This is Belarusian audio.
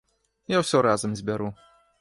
Я ўсё разам збяру.